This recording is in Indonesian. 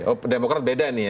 oh demokrat beda nih ya